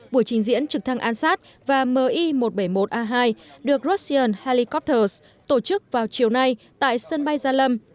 buổi trình diễn trực thăng ansat và mi một trăm bảy mươi một a hai được russian helicopters tổ chức vào chiều nay tại sân bay gia lâm